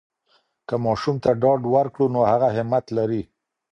که ماشوم ته ډاډ ورکړو، نو هغه همت لری.